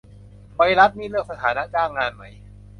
ไวรัสนี่เลือกสถานะจ้างงานไหม